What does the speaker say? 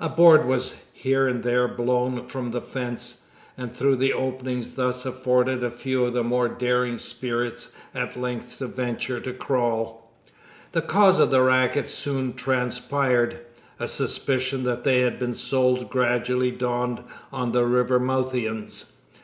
A board was here and there blown from the fence, and through the openings thus afforded a few of the more daring spirits at length ventured to crawl. The cause of the racket soon transpired. A suspicion that they had been sold gradually dawned on the Rivermouthians.